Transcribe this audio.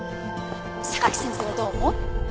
榊先生はどう思う？